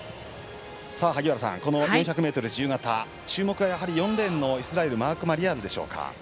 萩原さん、４００ｍ自由形注目は４レーンのイスラエルのマーク・マリヤールでしょうか。